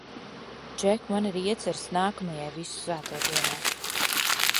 Džek, man ir ieceres nākamajai Visu Svēto dienai!